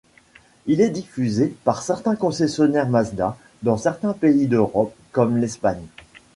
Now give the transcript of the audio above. Il est diffusé par certains concessionnaires Mazda dans certains pays d'Europe, comme l'Espagne.